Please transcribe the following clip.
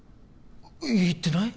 言ってない。